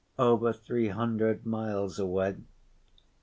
"Over three hundred miles away."